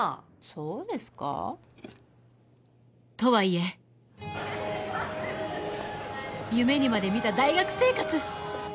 そうですか？とはいえ夢にまで見た大学生活！